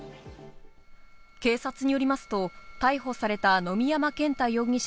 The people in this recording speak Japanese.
警察によりますと逮捕された野見山健太容疑者